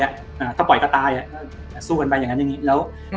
อ่าถ้าปล่อยก็ตายอ่ะก็สู้กันไปอย่างงั้นอย่างงี้แล้วอืม